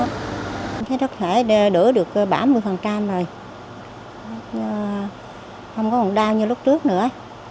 thấy rất khỏe đỡ được bảy mươi rồi không còn đau như lúc trước nữa